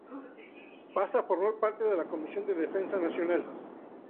Pasa a formar parte de la Comisión de Defensa Nacional.